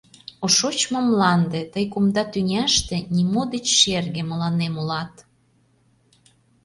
О шочмо мланде, тый кумда тӱняште Нимо деч шерге мыланем улат!